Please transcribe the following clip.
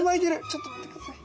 ちょっと待って下さい。